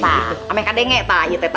tuh sama kak dengnya tuh